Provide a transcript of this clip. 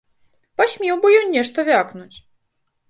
Пасмеў бы ён нешта вякнуць!